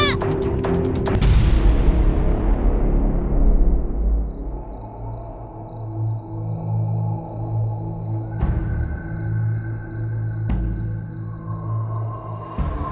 tuh ikut nek